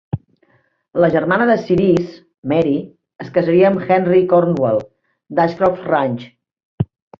La germana de Cerise, Mary, es casaria amb Henry Cornwall, d'Ashcroft Ranch.